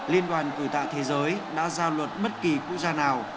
liên đoàn cử tạ thế giới đã giao luật bất kỳ quốc gia nào